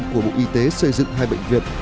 của bộ y tế xây dựng hai bệnh viện